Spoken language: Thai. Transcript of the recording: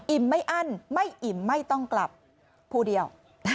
ไม่อั้นไม่อิ่มไม่ต้องกลับภูเดียว